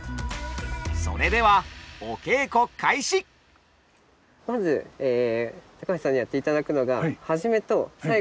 それではまず高橋さんにやっていただくのがはい。